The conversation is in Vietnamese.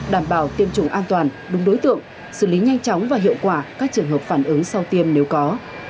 đảm bảo tiêm chủng an toàn đúng đối tượng xử lý nhanh chóng và hiệu quả các trường hợp phản ứng sau tiêm nếu có